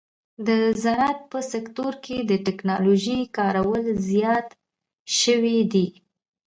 د زراعت په سکتور کې د ټکنالوژۍ کارول زیات شوي دي.